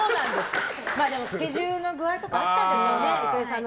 スケジュールの具合とかあったんでしょうね。